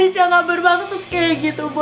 aisyah gak bermaksud kayak gitu bu